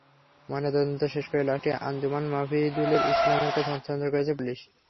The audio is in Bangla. ময়নাতদন্ত শেষ করে লাশটি আঞ্জুমান মফিদুল ইসলামের কাছে হস্তান্তর করেছে পুলিশ।